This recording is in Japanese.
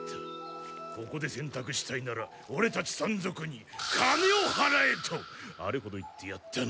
ここでせんたくしたいならオレたち山賊にカネをはらえとあれほど言ってやったのに。